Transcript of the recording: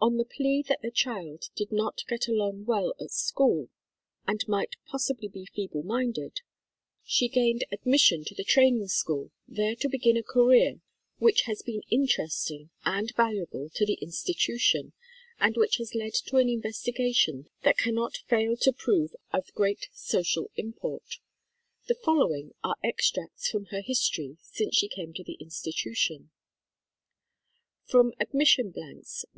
On the plea that the child did not get along well at school and might possibly be feeble minded, she gained 2 THE KALLIKAK FAMILY admission to the Training School, there to begin a career which has been interesting and valuable to the Insti tution, and which has led to an investigation that can not fail to prove of great social import. The following are extracts from her history since she came to the Institution : From Admission Blanks, Nov.